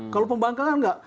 kalau pembangkangan enggak